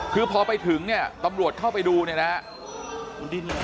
คือพอไปถึงเนี่ยตำรวจเข้าไปดูเนี่ยนะครับ